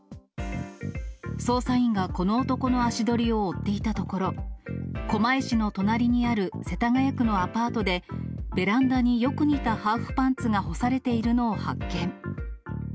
捜査員がこの男の足取りを追っていたところ、狛江市の隣にある世田谷区のアパートで、ベランダによく似たハーフパンツが干されているのを発見。